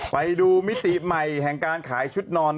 มิติใหม่แห่งการขายชุดนอน